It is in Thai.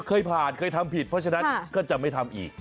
เคยผ่านเคยทำผิดเพราะฉะนั้นก็จะไม่ทำอีก